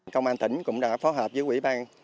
công an tỉnh cũng đã phối hợp với quỹ ban